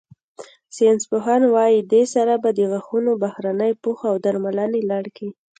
ساینسپوهان وايي، دې سره به د غاښونو بهرني پوښ او درملنې لړ کې